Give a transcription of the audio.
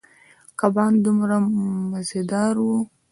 کبان دومره مزدار ووـ.